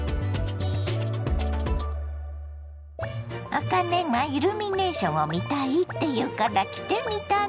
あかねがイルミネーションを見たいって言うから来てみたの。